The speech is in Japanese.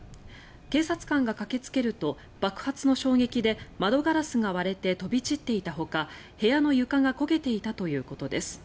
警察官が駆けつけると爆発の衝撃で窓ガラスが割れて飛び散っていたほか部屋の床が焦げていたということです。